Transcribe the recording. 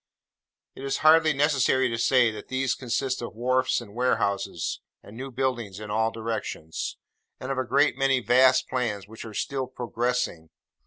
It is hardly necessary to say, that these consist of wharfs and warehouses, and new buildings in all directions; and of a great many vast plans which are still 'progressing.